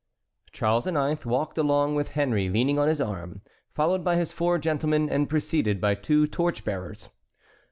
Charles IX. walked along with Henry leaning on his arm, followed by his four gentlemen and preceded by two torch bearers.